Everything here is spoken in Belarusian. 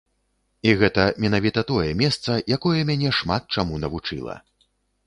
І гэта менавіта тое месца, якое мяне шмат чаму навучыла.